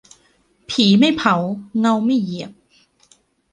ผีไม่เผาเงาไม่เหยียบ